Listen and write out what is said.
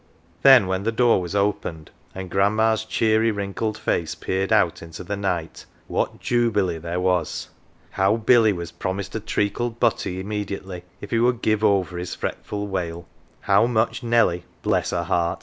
Then, when the door was opened, and "grandma's" cheery wrinkled face peered out into the night, what jubilee there was ! How Billy was promised a treacle butty immediately if he would " give over " his fretful wail ; how much Nelly (bless her heart